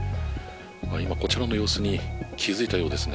今、こちらの様子に気付いたようですね。